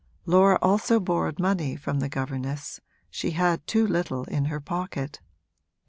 Laura also borrowed money from the governess she had too little in her pocket.